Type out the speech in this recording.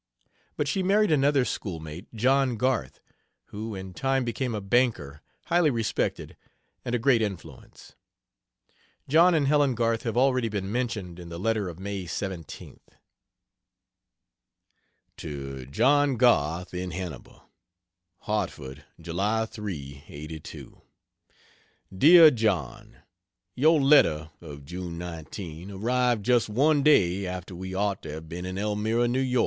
But she married another schoolmate, John Garth, who in time became a banker, highly respected and a great influence. John and Helen Garth have already been mentioned in the letter of May 17th. To John Garth, in Hannibal: HARTFORD, July 3 '82. DEAR JOHN, Your letter of June 19 arrived just one day after we ought to have been in Elmira, N. Y.